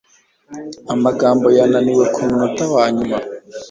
Amagambo yananiwe kumunota wanyuma.